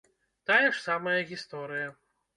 Тая ж самая гісторыя.